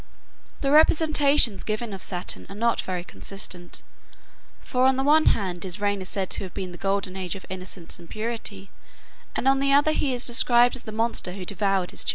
The representations given of Saturn are not very consistent; for on the one hand his reign is said to have been the golden age of innocence and purity, and on the other he is described as a monster who devoured his children.